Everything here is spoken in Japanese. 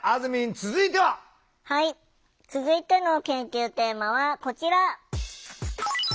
続いての研究テーマはこちら！